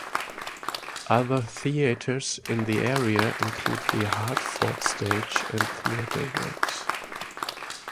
Other theaters in the area include the Hartford Stage and TheatreWorks.